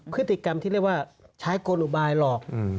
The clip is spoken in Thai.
พฤติกรรมที่เรียกว่าใช้โกลอุบายหลอก